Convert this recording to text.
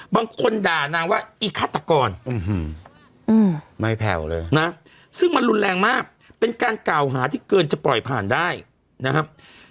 บางคนด่านางว่าอีฆาตกรไม่แผ่วเลยนะซึ่งมันรุนแรงมากเป็นการกล่าวหาที่เกินจะปล่อยผ่านได้นะครับ